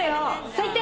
最低！